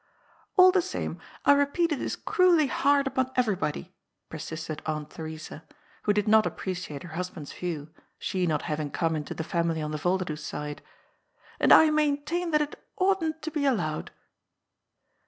" All the same, I repeat it is cruelly hard upon eyery body," persisted Aunt Theresa, who did not appreciate her husband's view, she not having come into the family on the Volderdoes side ;^* and I maintain that it oughtn't to be allowed."